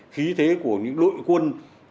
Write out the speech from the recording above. khí thế của những đội quân